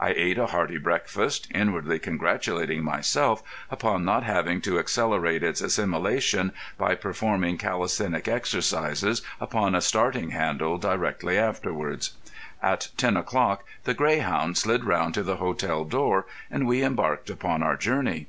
I ate a hearty breakfast, inwardly congratulating myself upon not having to accelerate its assimilation by performing calisthenic exercises upon a starting handle directly afterwards. At ten o'clock The Greyhound slid round to the hotel door, and we embarked upon our journey.